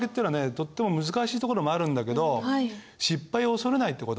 とっても難しいところもあるんだけど失敗を恐れないって事。